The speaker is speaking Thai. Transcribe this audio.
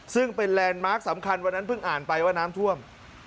ซึ่งเป็นแลนด์มาร์คสำคัญวันนั้นเพิ่งอ่านไปว่าน้ำท่วม